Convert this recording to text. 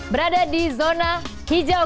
berada di zona hijau